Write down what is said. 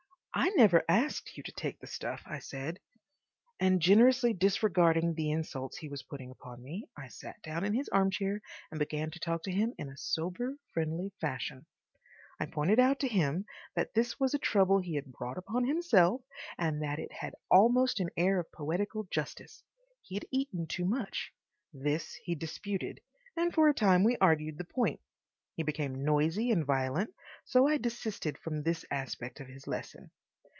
"I never asked you to take the stuff," I said. And generously disregarding the insults he was putting upon me, I sat down in his armchair and began to talk to him in a sober, friendly fashion. I pointed out to him that this was a trouble he had brought upon himself, and that it had almost an air of poetical justice. He had eaten too much. This he disputed, and for a time we argued the point. He became noisy and violent, so I desisted from this aspect of his lesson.